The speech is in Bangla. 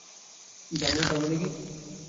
জান না, তার মানে কী?